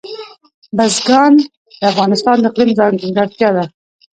بزګان د افغانستان د اقلیم ځانګړتیا ده.